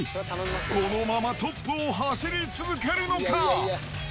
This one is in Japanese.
このままトップを走り続けるのか。